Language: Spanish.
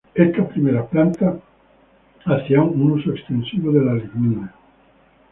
Estas primeras plantas hacía un uso extensivo de la lignina.